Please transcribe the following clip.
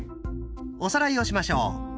おさらいをしましょう。